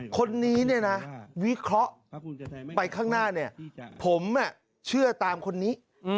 คนนี้เนี่ยนะวิเคราะห์ไปข้างหน้าเนี่ยผมเชื่อตามคนนี้